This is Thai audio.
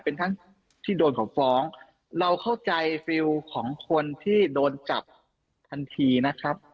เป็นทั้งที่โดนของฟ้องเราเข้าใจฟิลของคนที่โดนจับทันทีนะครับ